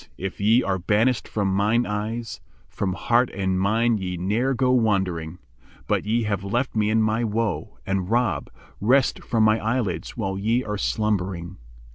if ye are banisht from mine eyes, * From heart and mind ye ne'er go wandering: But ye have left me in my woe, and rob * Rest from my eyelids while ye are slumbering."